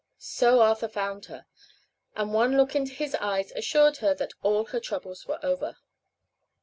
So Arthur found her, and one look into his eyes assured her that all her troubles were over.